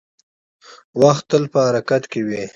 • وخت تل په حرکت کې وي.